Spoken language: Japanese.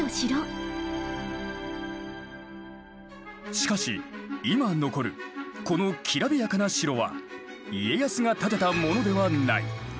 しかし今残るこのきらびやかな城は家康が建てたものではない。